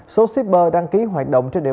số shipper đăng ký hoạt động trên địa phương